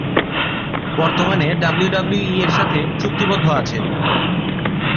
বর্তমানে ডাব্লিউডাব্লিউই এর সাথে চুক্তিবদ্ধ আছেন।